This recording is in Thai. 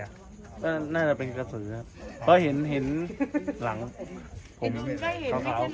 ก็น่าจะเป็นกระสือครับเพราะเห็นเห็นหลังผมขาว